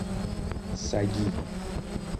سگی